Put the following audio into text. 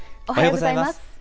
おはようございます。